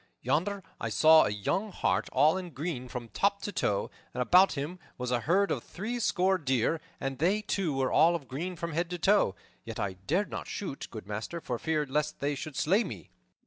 Yonder I saw a young hart all in green from top to toe, and about him was a herd of threescore deer, and they, too, were all of green from head to foot. Yet I dared not shoot, good master, for fear lest they should slay me."